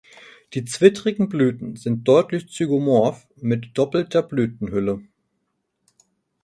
Die zwittrigen Blüten sind deutlich zygomorph mit doppelter Blütenhülle.